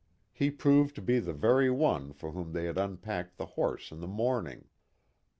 He proved to be the very one for whom they had unpacked the horse in the morn ing.